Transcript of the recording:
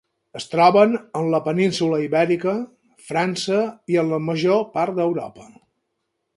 Es troben en la península Ibèrica, França i en la major part d'Europa.